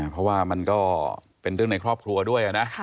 เพราะว่ามันก็เป็นเรื่องในครอบครัวด้วยนะ